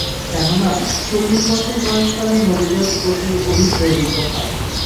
কেননা, চল্লিশ বছর বয়সকালে নবীদের প্রতি ওহী প্রেরিত হয়।